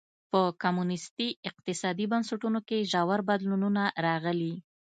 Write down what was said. په کمونېستي اقتصادي بنسټونو کې ژور بدلونونه راغلي.